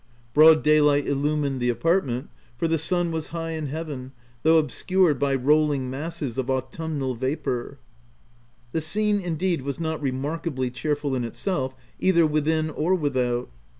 — Broad daylight illumined the apartment, for the sun was high in heaven, though obscured by rolling masses of autumnal vapour. The scene, indeed, was not remarkably cheer ful in itself, either within or without.